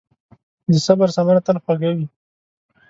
د صبر ثمره تل خوږه وي.